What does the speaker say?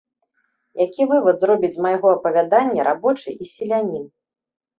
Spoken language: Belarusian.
Які вывад зробіць з майго апавядання рабочы і селянін?